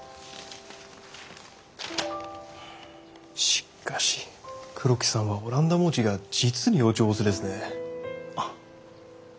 しかし黒木さんはオランダ文字が実にお上手ですね。